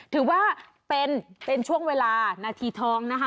ถือว่าเป็นช่วงเวลานาทีทองนะคะ